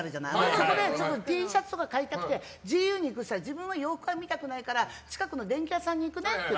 そこでＴシャツとか買いたくてＧＵに行くって言ったら自分は洋服は見たくないから電気屋さんに行くねって。